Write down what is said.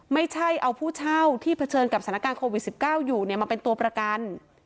ไม่ใช่เอาผู้เช่าที่เผชิญกับสถานการณ์โควิด๑๙อยู่มาเป็นตัวประกัน